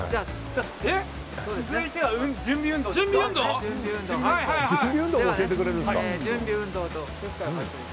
続いては準備運動ですか。